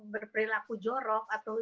berperilaku jorok atau